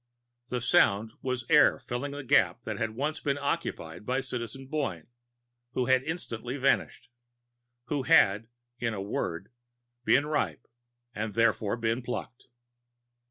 The sound was air filling the gap that had once been occupied by Citizen Boyne, who had instantly vanished who had, in a word, been ripe and therefore been plucked.